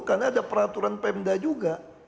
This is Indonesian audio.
karena ada peraturan pemda juga